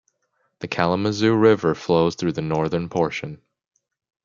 The Kalamazoo River flows through the northern portion.